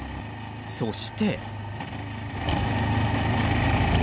そして。